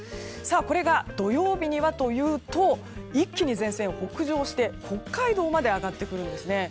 これが土曜日にはというと一気に前線、北上して北海道まで上がってくるんですね。